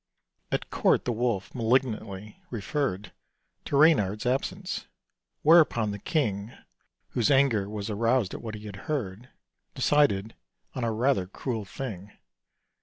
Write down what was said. At court the Wolf malignantly referred To Reynard's absence, whereupon the King Whose anger was aroused at what he heard Decided on a rather cruel thing.